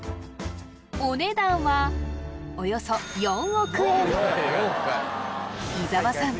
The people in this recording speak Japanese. お値段はおよそ伊沢さん